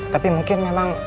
tapi mungkin memang